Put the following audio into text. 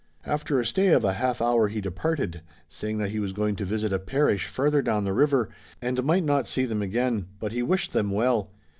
After a stay of a half hour he departed, saying that he was going to visit a parish farther down the river, and might not see them again, but he wished them well.